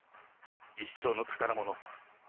一生の宝物。